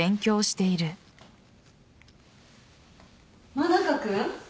真中君？